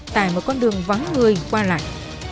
tại một con đường vắng người qua lại